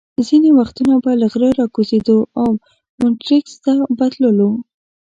ځینې وختونه به له غره را کوزېدو او مونیټریکس ته به تللو.